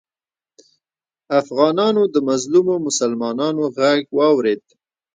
افغانانو د مظلومو مسلمانانو غږ واورېد.